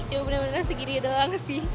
cuma bener bener segini doang sih